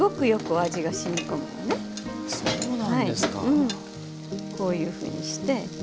うんこういうふうにして。